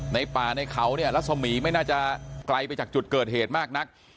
ในป่าในเขาเนี่ยรัศมีร์ไม่น่าจะไกลไปจากจุดเกิดเหตุมากนัก